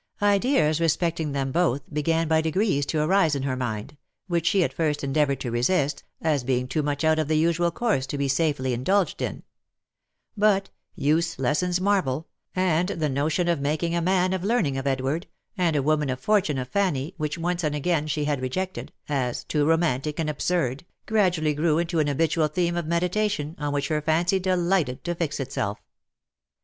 Ideas respecting them both, began by degrees to arise in her mind, which she at first endeavoured to resist, as being too much out of the usual course to be safely indulged in ; but " use lessens marvel," and the notion of making a man of learning of Edward, and a woman of fortune of Fanny, which once and again she had rejected, as too romantic and absurd, gradually grew into an habitual theme of meditation on which her fancy delighted to fix itself.